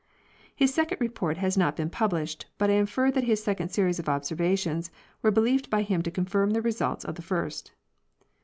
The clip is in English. His second report has not been published, but I infer that his second series of observations were believed by him to confirm the results of the first.